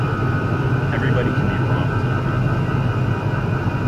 Everybody can be wrong sometimes.